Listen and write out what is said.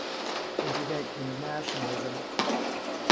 INTERVENTION OF NATIONALISM.